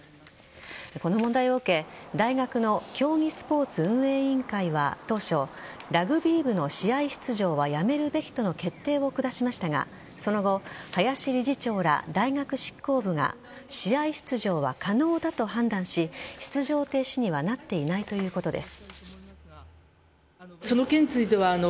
この問題を受け大学の競技スポーツ運営委員会は当初ラグビー部の試合出場はやめるべきとの決定を下しましたがその後林理事長ら大学執行部が試合出場は可能だと判断し出場停止にはなっていないということです。